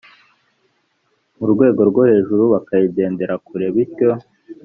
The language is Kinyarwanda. mu rwego rwo hejuru bakayigendera kure bityo